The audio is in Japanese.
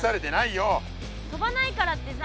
飛ばないからってさ。